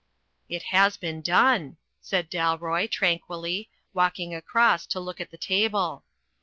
"It has been done," said Dalroy, tranquilly, walk ing across to look at the table.